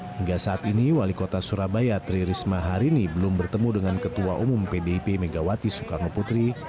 hingga saat ini wali kota surabaya tri risma hari ini belum bertemu dengan ketua umum pdip megawati soekarno putri